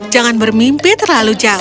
jangan bermimpi terlalu jauh